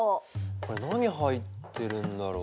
これ何入ってるんだろう？